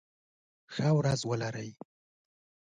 ښه ورځ ولرئ.